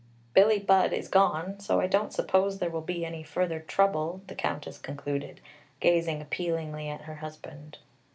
Billie Budd is gone, so I don't suppose there will be any further trouble," the Countess concluded, gazing appealingly at her husband.